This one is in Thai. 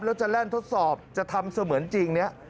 แล้วจะเล่นทดสอบจะทำเสมอเหมือนจริงนะ